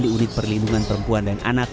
di unit perlindungan perempuan dan anak